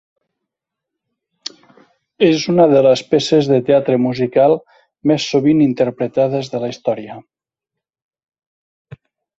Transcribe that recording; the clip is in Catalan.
És una de les peces de teatre musical més sovint interpretades de la història.